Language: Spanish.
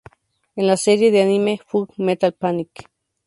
En la serie de anime "Full Metal Panic!